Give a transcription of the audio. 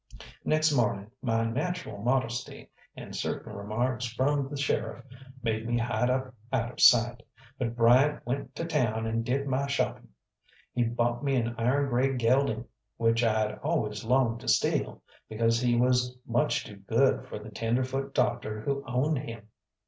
Next morning my natural modesty, and certain remarks from the sheriff, made me hide up out of sight, but Bryant went to town and did my shopping. He bought me an iron grey gelding, which I'd always longed to steal, because he was much too good for the tenderfoot doctor who owned him.